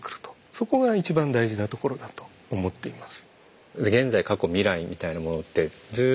そこがいちばん大事なところだと思っています。